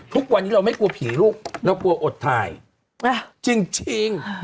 ทุกวันนี้เราไม่กลัวผีลูกเรากลัวอดถ่ายจริง